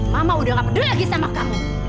mama udah gak peduli lagi sama kamu